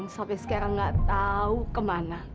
sampai sekarang gak tau kemana